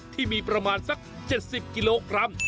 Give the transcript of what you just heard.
ที่มีประมาณสัก๗๐กิโลกรัม